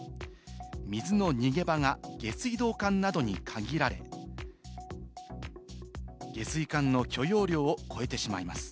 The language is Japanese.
水の逃げ場が下水道管などに限られ、下水管の許容量を超えてしまいます。